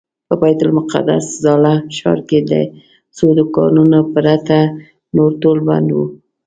په بیت المقدس زاړه ښار کې له څو دوکانونو پرته نور ټول بند و.